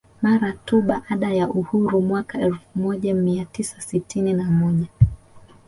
Mara tu baada ya uhuru mwaka elfu moja mia tisa sitini na moja